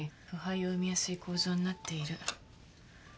腐敗を生みやすい構造になっている。